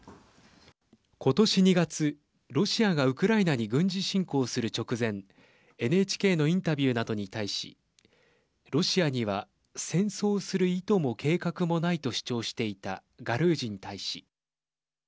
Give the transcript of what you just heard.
今年２月、ロシアがウクライナに軍事侵攻する直前ＮＨＫのインタビューなどに対しロシアには戦争をする意図も計画もないと主張していたガルージン大使。